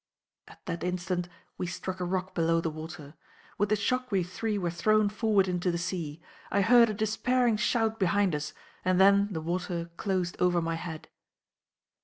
At that instant we struck a rock below the water. With the shock we three were thrown forward into the sea. I heard a despairing shout behind us; and then the water closed over my head.